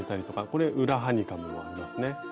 これ裏ハニカムもありますね。